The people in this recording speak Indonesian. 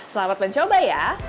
selamat mencoba ya